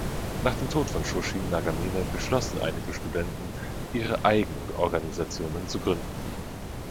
Nach dem Tod von Shoshin Nagamine beschlossen einige Studenten, ihre eigenen Organisationen zu gründen.